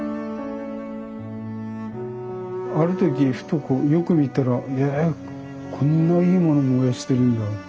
ある時ふとよく見たらえこんないいもの燃やしてるんだって。